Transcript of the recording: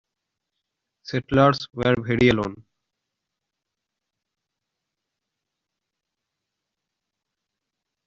Settlers were very alone.